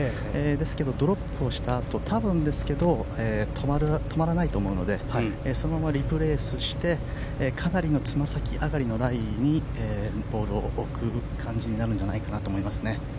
ですけど、ドロップをしたあと多分ですけど止まらないと思うのでそのままリプレースしてかなりのつま先上がりのライにボールを置く感じになるんじゃないかと思いますね。